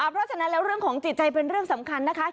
เพราะฉะนั้นแล้วเรื่องของจิตใจเป็นเรื่องสำคัญนะคะ